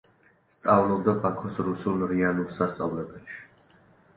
სწავლობდა ბაქოს რუსულ რეალურ სასწავლებელში.